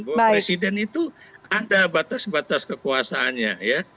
bahwa presiden itu ada batas batas kekuasaannya ya